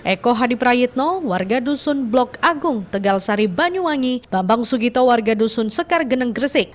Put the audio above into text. eko hadi prayitno warga dusun blok agung tegal sari banyuwangi bambang sugito warga dusun sekar geneng gresik